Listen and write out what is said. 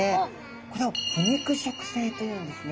これを腐肉食性というんですね。